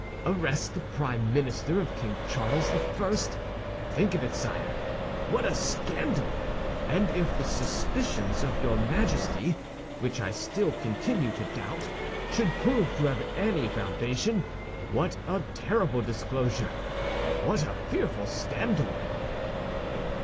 Arrest the prime minister of King Charles I.! Think of it, sire! What a scandal! And if the suspicions of your Majesty, which I still continue to doubt, should prove to have any foundation, what a terrible disclosure, what a fearful scandal!"